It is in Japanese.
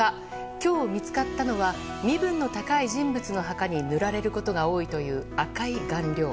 今日見つかったのは身分の高い人物の墓に塗られることが多いという赤い顔料。